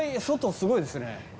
外すごいですね。